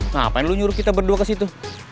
ngapain lu nyuruh kita berdua ke situ